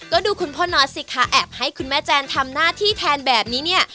ก็ดูคุณพ่อนอสสิคะแอบให้คุณแม่แจนทำหน้าที่แทนแบบนี้เนี่ย